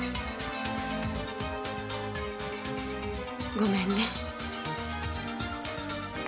ごめんね。